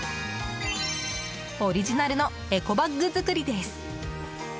オリジナルのエコバッグ作りです。